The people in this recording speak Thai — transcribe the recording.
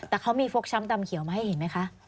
แต่เขามีโฟกช้ำดำเขียวไหม